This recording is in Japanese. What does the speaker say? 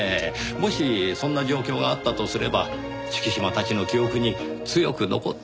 もしそんな状況があったとすれば敷島たちの記憶に強く残っているはずです。